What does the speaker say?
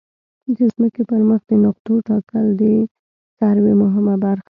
د ځمکې پر مخ د نقطو ټاکل د سروې مهمه برخه ده